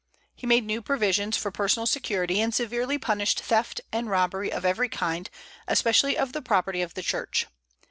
He made new provisions for personal security, and severely punished theft and robbery of every kind, especially of the property of the Church.